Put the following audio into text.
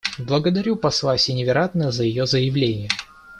Благодарю посла Сеневиратне за ее заявление.